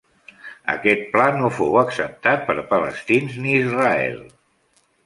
Aquest pla no fou acceptat per palestins ni Israel.